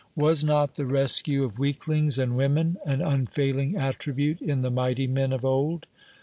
Was not the rescue of weaklings and women an unfailing attribute in the mighty men of old?